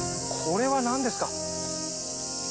これは何ですか？